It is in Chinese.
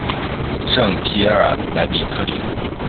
圣皮耶尔莱比特里。